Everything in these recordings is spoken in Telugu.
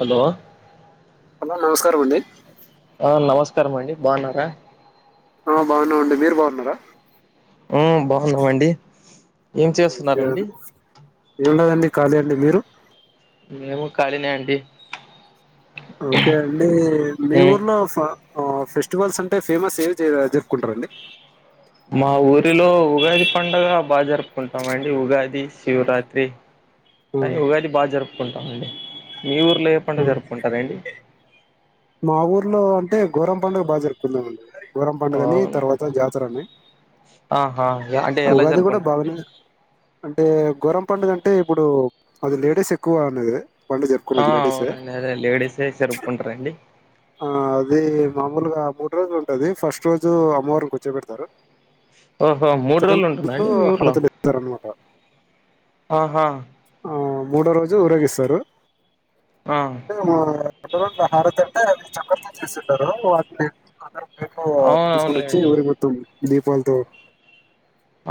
హలో హలో నమస్కారం అండి నమస్కారం అండి బాగున్నారా ఆ బాగున్నావుండి మీరు బాగున్నారా ఆ బాగున్నామండి ఏం ఇ చేస్తున్నారండి ఏం లేదు అండి ఖాళీ అండి మీరు మేము ఖాళీనే అండి ఓకే అండి మీ మ్మ్ ఊర్లో ఫ ఫెస్టివల్స్ అంటే ఫేమస్ ఏ జరుపుకుంటారంండి మా ఊరిలో ఉగాది పండగ బాగా జరుపుకుంటామ అండి ఉగాది శివరాత్రి ఉమ్, కానీ ఉగాది బా జరుపు కుంటమండి మీ ఊరిలో ఏ పండుగ ఉమ్. జరుపుకుంటారండి మా ఊర్లో అంటే గోరం పండుగ బాగా జరుగుతుందడి గోరం పండుగని తర్వాత జాతరని ఆ ఉగాది కూడా బాగనే అంటే గోరం పడుగ అంటే ఇప్పుడు అది లేడీస్ ఎక్కువ అనేది పండుగ ఆ చెప్పుకునేది లేడీస్ ఏ అవునండి అదే లేడీసే జరుపుకుంటారండి ఆ అది మామూలుగా మూడు రోజులు ఉంటది ఫస్ట్ రోజు అమ్మవారిని కూర్చోపెడుతారు ఆ సెకడ్ లో హరాతులు ఇస్తారన్నమాట ఆహా ఆ మూడో రోజు ఊరేగిస్తారు ఆ అంటే మ పండగ రోజు హారతి అంటే చేక్కర తో చేసుంటారు వాటిని అందర్ పో అవును తీసుకొని వచ్చి అవునులేండి ఊరికి మొత్తం ధిపాల్తో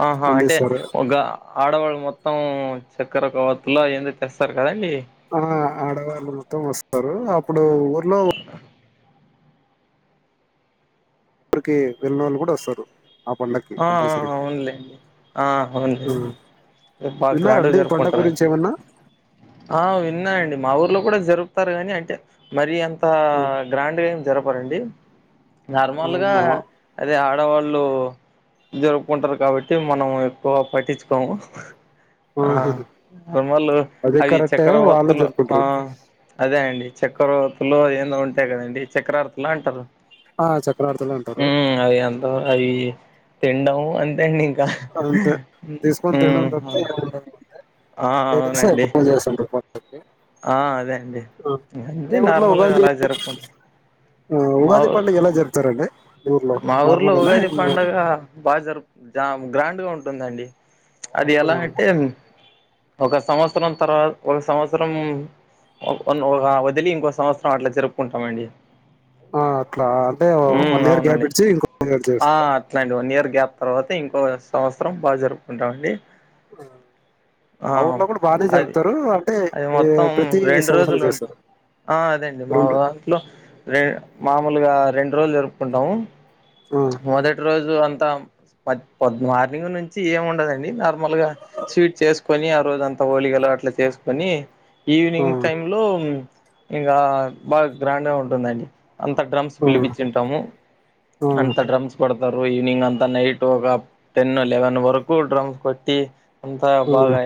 ఆహా అంటే ఒక ఆడవాళ్ళు మొత్తం చక్కెర కావ్ ఇంట్లో ఏందో తెస్తారు కదండి ఆహ ఆడవాళ్ళు మొత్తం వస్తారు అప్పుడు ప్పుడు ఊర్లో రికి వెళ్ళినోళ్ళు కూడా వస్తారు ఆ పండక్కి ఆ ఆ కంపల్సరీగా అవునులేండి ఆ అవునులేండి రేపు బాగా గ్రాండ్ విన్నారండి ఈ పండగ జరుపుకుంటారు గురించి అయితే ఏమన్నా ఆ విన్నా అండి మా ఊర్లో కూడా జరుపుతారు గానీ అంటే మరి అం త గ్రాండ్గా ఏం జరప్ పరండి నార్మల్గా మా అది ఆడ్ డ వాళ్ళు జరుపుకుంటారు కాబట్టి మనం ఎక్కువ పట్టించుకోము ఆ తుమ్మలు అదే అవి కరెక్టే వాళ్ళు చక్రవస్తులు ఆ జరుపుకుంటారు అదే అండి చక్రవర్తులు ఏందో ఉంటాయి కదండి చక్రవర్తులు అంటారు ఆ చక్రార్థులు అంటారు హ అది అంత అవి తిండం అంతెండి ఇం అంతే తీసుకొని తినడం తప్పతే ఎం ఉండాదింకా ఆ లేడీస్ ఏ అవునండి ఎక్కువ చేసుంటారు కొ ఆ అదే అండి అంతే మీ ఊర్లో నార్మల్గా ఉగాది అలా జరుపుకుం ఆ ఉగాది పండుగ ఎలా జరుపుతారండీ మా ఊర్లో ఉగాది పండాగా బాగా బజారుప్ ఆ గ్రాండ్ గా ఉంటుందండి అది ఎలా అంటే మ్మ్ ఒక సంవత్సరం తర్వాత ఒక సంవత్సరం ఒక వదిలి ఇంకో సంవత్సరం అట్లా జరుపుకుంటామండి. ఆ అట్లా అంటే ఉమ్ వన్ ఇయర్. గ్యాప్ ఇచ్చి ఇంకో ఇయర్ ఆ చేస్తారా అట్లాండి వన్ ఇయర్ గ్యాప్. తర్వాత ఇంకో సంవత్సరం బాగా జరుపుకుంటామండి. ఆ మా ఊర్లో కూడా బాగానే అది జరుపుతారు అంటే అది ఏ మొత్తం ప్రతి రెండు సంవత్సరం రోజులుంటాయి. చేస్తారు ఆ అదండి మా రెండు దాంట్లో రే మామూలుగా రెండు రోజులు జరుపుకుంటాము. ఆ మొదటి రో జు అంత పొద్ మార్నింగ్ నుంచి ఏము ఉండదండి. నార్మల్ గా స్వీట్ చేసుకొని ఆ రోజు అంత హోలిగాలు అట్లా చేసుకొని ఆ ఈవినింగ్ టైమ్ లో, ఇంకా బాగా గ్రాండ్ గా ఉంటుందండి. అంత డ్రమ్స్ ఆ పిలిపించింటాము. ఆ అంత డ్రమ్స్. ఈవ్నింగ్ అంతా నైట్ ఒక టెన్ లెవెన్ వరకు డ్రమ్స్ కొట్టి అంతా ఆ బాగా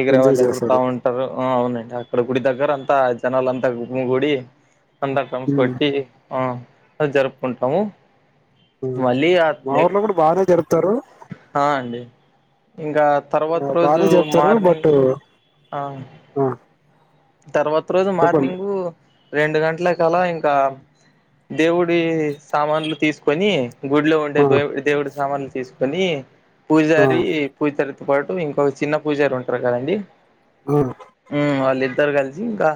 ఎగర ఎంజాయ్ వాళ్ళు ఎగురుతా చేస్తారు ఉంటారు. ఆ అవునండి అక్కడ గుడి దగ్గర అంతా జనాలుంతా గుమికుడి అంతా డ్రమ్స్ ఉమ్ కొట్టి. ఆ జరుపుకుంటాము మళ్ళీ ఆ మా నే ఊర్లో కూడా బాగానే జరుపుతారు. ఆ అండి ఇంకా ఆ తర్వాత రోజు బాగానే జరుపుతారు బట్ మార్నింగ్ ఆ ఆ తర్వాత రోజు చెప్పండి మార్నింగు రెండు గంటల కలా ఇంకా దేవుడి సామాన్లు తీసుకొని, గుడిలో ఉండే ఆ దే దేవుడు సామా తీసుకొని ఆ పూజారి పూజ పాటు ఇంకొక చిన్న పూజారు ఉంటారు కదండి. ఆ హ్మ్మ్ వాళే ఇద్దరు కలిసి ఇంకా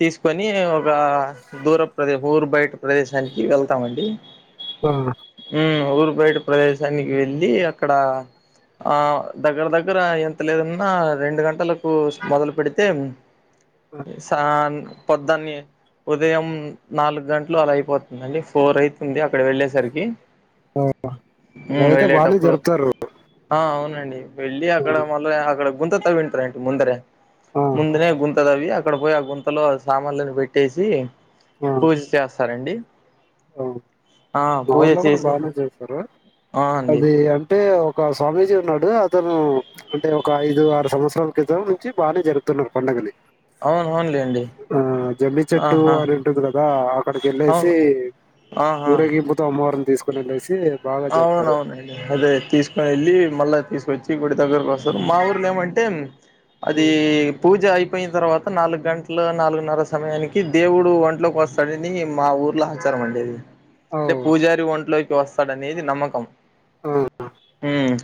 తీసుకొని ఒక దూర ప్రదేశ ఊరు బయట ప్రదేశానికి వెళ్తామండి. ఆ ఊరు బయట ప్రదేశానికి వెళ్ళి అక్కడ ఆ దగ్గర దగ్గర ఎంత లేదన్నా రెండు గంటలకు మొదలు పెడితే ఆ. సాన్ పొద్దున్ని ఉదయం నాలుగు గంటలు అలా అయిపోతుందండి. ఫోర్ అయితది అక్కడ వెళ్ళేసరికి ఆ అప హ్మ్ అలాయితే బానే జరుపుతారు. రండి! వెళ్ళి, ఆ అక్కడ మళ్ళా అక్కడ. ముందనంత వింటారె ముండరె. ఆ ముందగా ఈ. గుంట. కదవి అవి అక్కడ పోయి ఆ గుంతలో సామాన్లలను పెట్టేసి పూజ చేస్తారండి. అ ఆ మా పూజ ఊర్లో కూడా చేసి బాగానే చేస్తారు. ఆ అండి. అది అంటే ఒక స్వామీజీ ఉన్నాడు. అతను అంటే ఒక ఐదు ఆరు సంవత్సరాల క్రితం నుంచి బాగానే జరుపుతున్నాడు పండుగని. అవును, అవునులేండి. జమ్మి చెట్టు ఆహా అని ఉంటుంది కదా? అక్కడికి వెళ్ళేసి. అవును ఊరేగింపుతో అమ్మవారు ని, తీసుకునేట్సి [unintelligible] అవునవును, అదే తీసుకు వెళ్ళి, మళ్ళీ తీసుకచ్చి గుడి దగ్గరకు వస్తాం. మా ఊర్లో ఏమంటే? అది హ్మ్. పూజ అయి అపోయిన తర్వాత, నాలుగు గంటల నాలుగున్నర సమయానికి దేవుడు ఒంట్లోకి వస్తాడని, మా ఊర్లో ఆచారం అండి. అది అంటే అవును. పూజారి ఒంట్లో. పాస్! తనే ఏది నమ్మకం. ఆ! హ్మ్!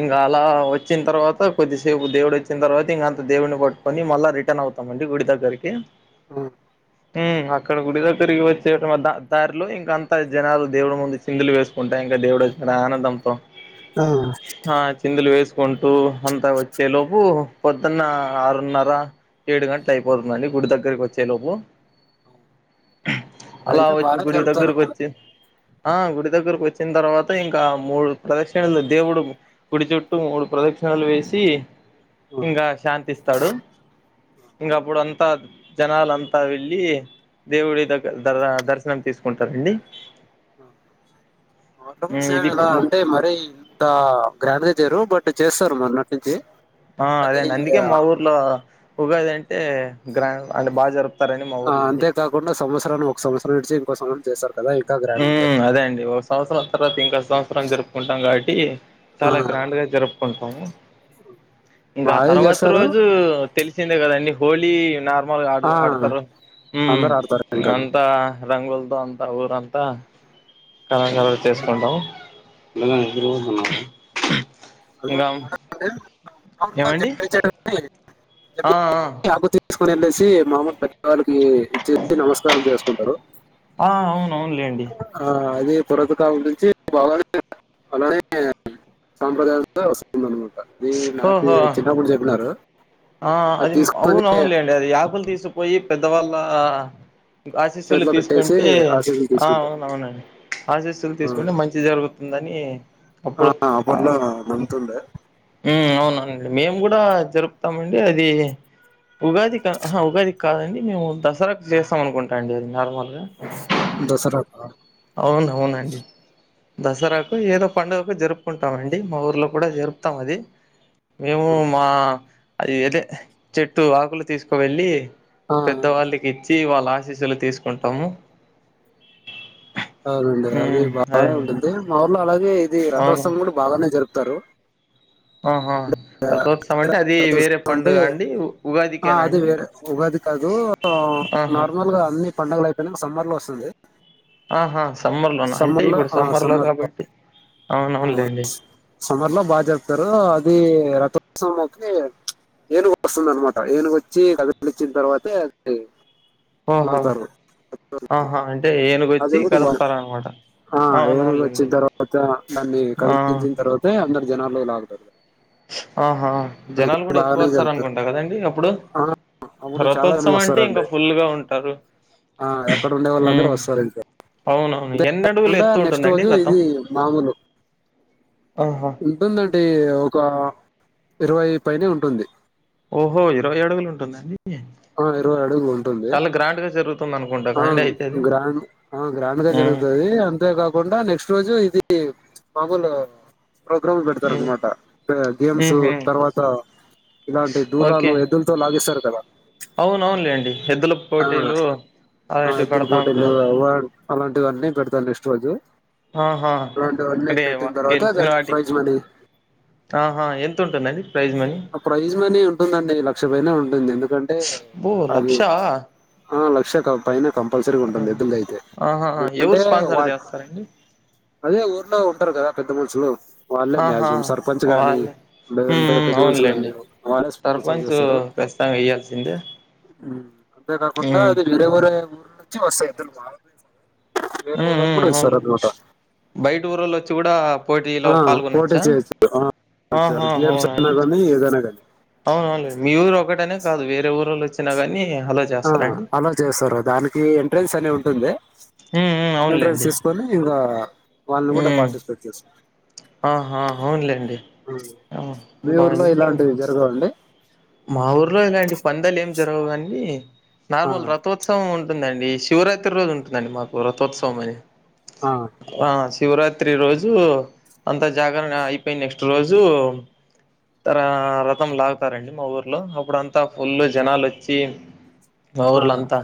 ఇంకా అలా వచ్చిన తర్వాత, కొద్దిసేపు దేవుడు వచ్చిన తర్వాత ఇంకాంత దేవుడిని పట్టుకొని మళ్ళా రిటర్న్ అవుతామండి గుడి దగ్గరకి. హ్మ్! హ్మ్! అక్కడ గుడి దగ్గరికి వచ్చే దారిలో, ఇంక అంత జనాలు దేవుడు ముందు సిందులు వేస్తూ. ఉంటా ఇంకా దేవుడు చా ఆనందంతో. ఆ! హా! చిందులు వేసు తీసుకుంటూ అంతా వచ్చేలోపు పొద్దున్న ఆరున్నర ఏడు గంటలు అయిపోతుందండి గుడి దగ్గరికి వచ్చే లోపు. అవును. అలా అదైతే వచ్ బానే గుడి జరుపుతారు. దగ్గరకి వచ్చె. ఆ గుడి దగ్గర కొచ్చి వచ్చిన తర్వాత, ఇంకా మూడు ప్రదక్షిణలు దేవుడు గుడి చుట్టూ మూడు ప్రదక్షిణలు వేసి, హ్మ్. ఇంకా శాంతిస్తాడు. ఇంగా అప్పుడు అంతా జనాలు అంతా వెళ్ళి దేవుడి దగ్గర దర్శనం తీసుకుంటారండి ఆ హు ఇది అంటే మరి ఇంత గ్రాండ్ గా జరు బట్ చేస్తారు మొన్నటి నాటి నుంచి ఆ అది అదేండి అందుకే మా ఆహ్, ఊర్లో ఉగాది అంటే గ్రాండ్ గా అంటే బాగా జరుగుతుంది ఆ అంతేకాకుండా సంవత్సరాన్ని ఒక సంవత్సరం విడిచి ఇంకో సంవత్సరం చేస్తారు కదా! ఇంకా ఉ గ్రాండ్‌గుంటది. అదే అండి ఒక సంవత్సరం తర్వాత ఇంకా సంవత్సరం జరుపుకుంటాం కాబట్టి చాలా ఆ! గ్రాండ్ గా జరుపుకుంటాం జరుపుకుంటాము ఇంకా మాదే తర్వాత చేస్తారు రోజు తెలుసు వచ్చింది కదండ హోలీ అయినా చిన్నపిల్లలు ఆ ఆడతారు ఊ అందరు ఆడతారు ఇంకది అంతా రంగులతో అంత ఊరు అంత అంత రకరకాలు చేసుకుంటాం ఎటు పోతున్నావ్ అలా ఎలా ఏమండి చేస్తావ్ ఆ ఆ తీసుకుని వెళ్ళసి మహమ్మద్ పెద్దవాళ్ళకి ఇచ్చేసి నమస్కారం చేసుకుంటారు ఆ అవునవునులేండి ఆ అది పురతకాలం నుంచి బాగా అలానే సాంప్రదాయం ఇప్పుడే వస్తున్నారు అది నాకు ఓహో చిన్నప్పుడే చెప్పినారు ఆ అది అవును అవును లేండి అది ఆపిల్ తీసుకొని పోయి పెద్దవాళ్ళ ఆశీస్సులు చేతిలో పెట్టేసి తీసుకుంటే ఆశీస్సులు తీసుకుంటారు అవునవునండి ఆశీస్సులు తీసుకుంటే ఆ, మంచి జరుగుతుందని అప్పుడు ఆ అప్పట్లో నమ్ముతుండే అవునా మేము కూడా జరుపుకుంటాము చెస్తామండి అది ఉగాది ఉగాది కాదండి మేము దసరాకు చేస్తాం అనుకుంటా అండి అది నార్మల్గా దసరాక అవును అవునండి దసరాకు ఏదో పండుగకు జరుపుకుంటామండి మా ఊర్లో కూడా జరుపుతాం అది మేము మా అది అదే చెట్టు ఆకులు తీసుకువెళ్ళి ఆ, పెద్ద వాళ్ళకి ఇచ్చ్ ది వాళ్ళ ఆశీస్సులు తీసుకుంటాము అవును అండి అది ఉమ్ అదే బాగానే అండి ఉంటుంది మా ఊర్ [inaudible] అంటే ఇది అవును రథోత్సవం కూడా బాగానే జరుప్ తారు ఆహా రథోత్సవం అండ్ రథోత్సవం అంటే ఆ ఉగాదికేనా అది అండి వేరే ఉగాది కాదు ఆహా నార్మల్గా అన్ని పండుగలు అయిపోయినంక సమ్మర్ లో వస్తుంది. ఆహా సమ్మర్ లోనా అంటే సమ్మర్ లో ఇప్పుడు ఆ సమ్మర్ లో కాబట్టి ఆ అవునవునులేండి సమ్మర్ లో బాగా జరుపుతారు అది ఇగ రథోత్సవం ఏనుగు వస్తుంది అన్నమాట ఏనుగు వచ్చి కదిలిచ్చిన తర్వాతే అది ఓహో లాగుతారు ఆహా అంటే ఏ అది కూడా బావుంది ఆ ఏనుగు వచ్చిన అవునవునులేండి తర్వాత దాన్ని ఆ కలిపించిన తర్వాతే అందరు జనాల్లో లాగుతారు. ఆ ఆ అయితే జనాలు కూడా ఎక్కువ బాగానే వస్తారు జరుగుతారు అనుకుంటాారు కదండి అప్ ఇప్పుడు ఆ, అప్పుడు చాలా మంది రథోత్సవం అంటే ఇంకా వస్తారండి ఫుల్గా ఉంటారు ఆ, ఎక్కడ ఉండే హ్ వాళ్ళందరూ వస్తారు ఇంకా అవునవును అంతే ఎన్ని అడుగులు కాకుండా ఎత్తు నెక్స్ట్ ఉంటుందండి రోజు రథం ఇది మామూలు ఆహా ఉంటుందండి ఒక ఇరవై పైనే ఉంటుంది. ఓహో ఇరవై అడుగులు ఉంటుందండి. ఆ ఇరవై అడుగులు ఉంటుంది చాలా గ్రాండ్ గా జరుగుతుంది అనుకుంటా ఆ కదండి అయితే అది గ్రాండ్ ఆ గ్రాండ్గా ఉమ్ జరుగుతది అంతేకాకుండా నెక్స్ట్ రోజు ఇది మామూలు ప్రోగ్రామ్లు పెడతారు ఉమ్ అన్నమాట గేమ్స్ ఉహు తర్వాత ఇలాంటి ధూలాలు ఎద్దులతో లాగిస్తారు కదా అవునువును లేండి ఎద్దుల్ ఆ ఇద్దరు పోటీల్లో ఉంటారు ఎవడ్ అలాంటివన్నీ పెడతారు నెక్స్ట్ రోజు ఆహా అలాంటివన్నీ అంటే పెట్టిన తర్వాత గెలిచిన దాని వాటికి ప్రైజ్ మనీ ఆహా ఎంత ఉంటుందిండి ప్రైజ్ మనీ ఆ ప్రైజ్ మనీ ఉంటుందండి లక్ష పైనే ఉంటుంది ఎందుక్ హో లక్షా ఆ లక్ష్య కా పైన కంపల్సరీ ఉంటుంది ఎద్దుకు అయితే ఆహా ఎందుకంటే ఎవరు స్పాన్సర్ చేస్తారండి అదే ఊర్లో ఉంటారు కదా పెద్ద మనుషులు వాళ్ళే ఆహా మక్సిమం సర్పంచ్ గాని వాళ్ళే ఉమ్ లేదంటే ఉమ్, పెద్ద మనుషులు కాని అవునులేండి వాళ్ళే స్పాన్సర్ సర్పంచ్ చేస్తారు. ఖచ్చితంగా ఇయ్యాల్సిందే అవు అంతే కాకుండా ఉమ్ అది వీరేవరేమ్ వచ్చే వస్ ఇతని [unintelligible] ఉ ఉ అవును బైటూరొళ్ళొచ్చి గుడా ఆ పోటీ చెయచ్చు గేమ్స్ ఐన గానీ ఏదైనా గానీ అవునండి మీరు ఒకటనే కాదు వేరే ఊళ్ళొచ్ పిలగనీ ఆ అలా చేస్తారు దానికి ఎంట్రెన్స్ అనే ఉం స్తుందే ఉమ్ ఉమ్ ఎంట్రెన్స్ అవునులేండి తీసుకొని ఇంగా వాళ్ళని గుడ ఉమ్ పార్టిసిపేట్ చేస్ ఆహా అవునులేండి ఉ బాగుందే అంటే మా ఊర్లో ఇలాంటి పందాలు ఏం జరగవు గనీ ఆ నార్మల్ రథోత్సవం టుందండి శివరాత్రి రోజు ఉంటుందండి మాకు రథోత్సవం ఆ శివరాత్రి రోజు అంత జాగరణ అయిపొయిన నెక్స్ట్ రోజు తర రథం లాగుతారండి. మా ఊర్లో అప్పుడంతా ఫుల్లు జనాలొచ్చి మా ఆ ఊర్లంతా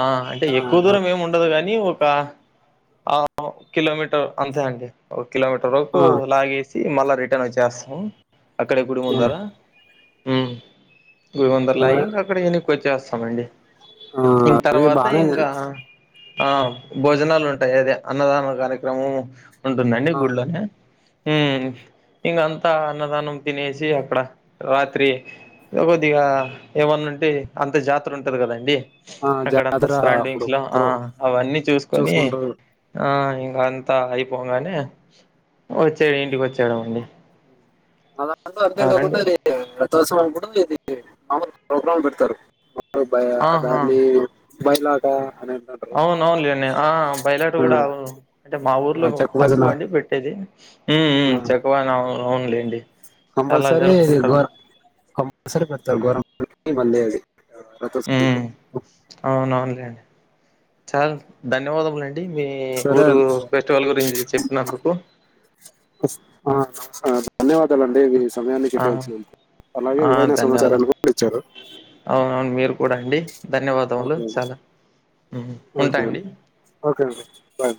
ఆ అంటే ఎక్కువ ఆ, దూరమేముండదు గానీ ఒక ఆ కిలోమీటర్ అంతేఅండి ఒ కిలోమీటర్ ఆ, వరకు లాగేసి మళ్ళా రిటర్న్ వచ్చేస్తాం అక్కడెప్పుడు ఉండరా ఉమ్ గువందరలాయి ఇంకక్కడ ఎని ఒచ్చేస్తామండి ఆ, ఇం అదే తర్వాత బానే ఇంగా ఆ భోజనాలుంటాయి అదే అన్నదాన కార్యక్రమము ఉంటుందండి ఆ గుళ్లోనే ఉమ్ ఇగంతా అన్నదానం తినేసి అక్కడ రా త్రి ఇగ కొద్దిగా ఏవన్నా ఉంటే అంత జాతర ఉంటది కదండి ఆ అక్కడంత జాతర అప్పుడు స్టాండింగ్స్ లా ఆ ప్రో అవన్నీ చూసుకొని చూసుకుంటారు ఆ ఇంకా అంతా అయిపోగానే వచ్చే ఇంటికి వచ్చాయడమేనండి అలా అందు అంతే కాకుండా ఇది సమం కూడా ఇది మాములు ప్రోగ్రామ్ పెడతారు రూపాయా అదాన్ని మైలాగా అవును అవునులేండి ఆ బయలాట ఆ, కూడావు అంటే మా ఆ, ఊర్లో చెక్క భజన తక్కువ అండి పెట్టేది ఉ ఉ చెక్క భజన అవును ఆన్లైన్ కంపల్సరీ గో కంపల్సరీ పెడతారు గోరమెం బందే అది [inaudible] హ్మ్. చాల ధన్యవాదములు టె మీ సరే ఊరు ఫెస్టివల్ గురించి చెప్పినందుకు ధన్యవాద్ అండి సమయాన్ని ఆ! కేటాచ్చిన అలాగే ఆ! విలువైన సమాచారాన్ని ధన్యవాదాలు. కూడా ఇచ్చారు అవునవును మీరు కూడా అండి ధన్యవాదములు ఓకే అండి చాలా ఉంటా అండి ఓకే అండి బాయ్